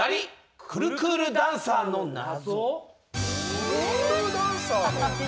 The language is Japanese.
くるくるダンサーの謎」。